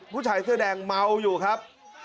ผู้ชายเสื้อแดงเมาอยู่ครับ